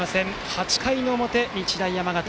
８回の表、日大山形。